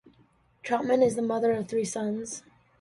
Troutman is the mother of three sons.